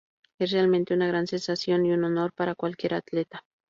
Es realmente una gran sensación y un honor para cualquier atleta".